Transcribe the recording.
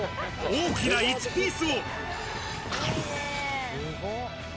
大きな１ピースを。